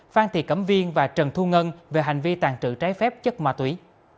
phan thị cẩm viên và trần thu ngân về hành vi tàn trự trái phép chất ma túy